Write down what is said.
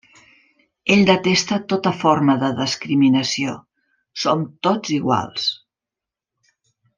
Ell detesta tota forma de discriminació: som tots iguals.